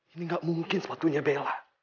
ini gak mungkin sepatunya bela